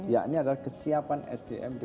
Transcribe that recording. yakni adalah kesiapan sdm di